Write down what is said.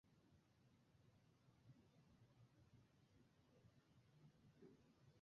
এর ফলে বয়স বাড়ার সাথে সাথে লিথিয়াম ক্ষয়ের হার বৃদ্ধি পায়।